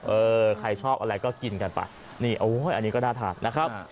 เออใครชอบอะไรก็กินกันไปนี่โอ้ยอันนี้ก็น่าทานนะครับ